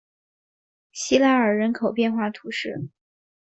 西拉尔人口变化图示